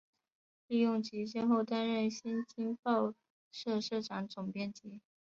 利用其先后担任新京报社社长、总编辑